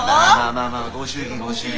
まあまあご祝儀ご祝儀。